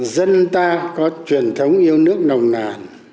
dân ta có truyền thống yêu nước nồng nàn